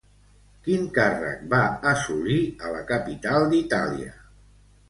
Quin càrrec va assolir a la capital d'Itàlia?